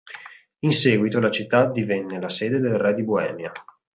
In seguito la città divenne la sede del Re di Boemia.